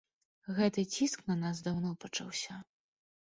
Гэты ціск на нас даўно пачаўся.